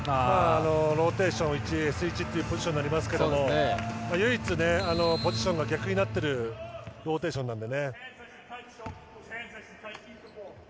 ローテーション１スイッチ１というポジションですけど唯一ポジションが逆になっているローテーションなので。